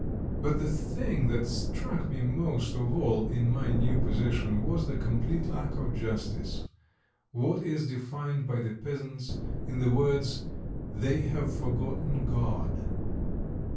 But the thing that struck me most of all in my new position was the complete lack of justice, what is defined by the peasants in the words: "They have forgotten God."